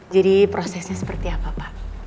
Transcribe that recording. jadi prosesnya seperti apa pak